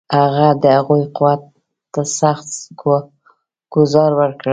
هغه د هغوی قوت ته سخت ګوزار ورکړ.